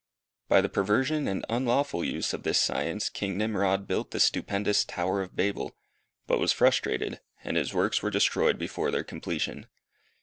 By the perversion and unlawful use of this science king Nimrod built the stupendous Tower of Babel, but was frustrated, and his works were destroyed before their completion.